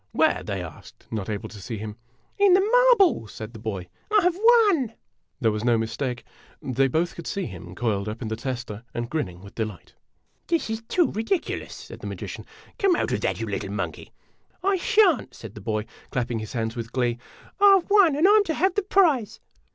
"Where? " they asked, not able to see him. "In the marble," said the boy. " I Ve won !' There was no mistake. They both could see him, coiled up in the tester and orinnino with delight. o o o "This is too ridiculous !" said the magician. " Come out of that, you little monkey !" IMAGINOTIONS " I sha'n't," said the boy, clapping his hands with glee. " I 've won, and I 'm to have the prize